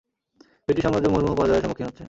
British সাম্রাজ্য মুহুর্মুহু পরাজয়ের সম্মুখীন হচ্ছে।